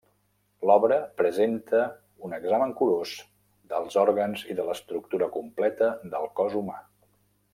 L'obra presenta un examen curós dels òrgans i de l'estructura completa del cos humà.